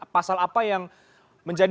pasal apa yang menjadi